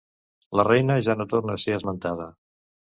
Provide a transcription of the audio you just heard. La reina ja no torna a ser esmentada.